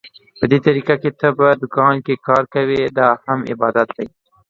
په دې طريقه که ته په دوکان کې کار کوې، دا هم عبادت دى.